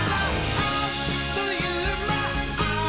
あっというまっ！」